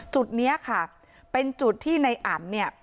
จุดนี้ค่ะเป็นจุดที่ในอันเนี่ย